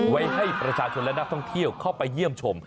ไว้ให้ประชาชนและนักท่องเที่ยวเข้าไปเยี่ยมชม